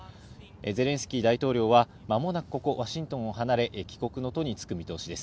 ゼレンスキー大統領は間もなくここワシントンを離れ、帰国の途につく見通しです。